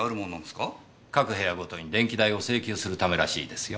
各部屋ごとに電気代を請求するためらしいですよ。